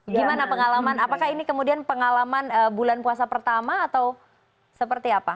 gimana pengalaman apakah ini kemudian pengalaman bulan puasa pertama atau seperti apa